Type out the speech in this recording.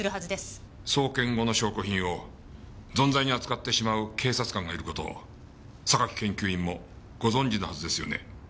送検後の証拠品をぞんざいに扱ってしまう警察官がいる事を榊研究員もご存じなはずですよね？